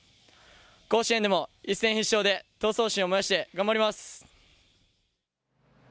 甲子園でも一戦必勝で闘争心を燃やして頑張ります。